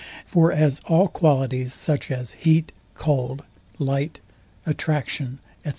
For as all qualities, such as heat, cold, light, attraction, &c.